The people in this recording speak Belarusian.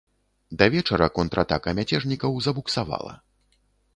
Да вечара контратака мяцежнікаў забуксавала.